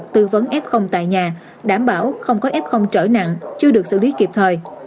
tư vấn f tại nhà đảm bảo không có f trở nặng chưa được xử lý kịp thời